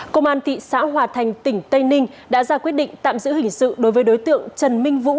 công an thị xã hòa thành tỉnh tây ninh đã ra quyết định tạm giữ hình sự đối với đối tượng trần minh vũ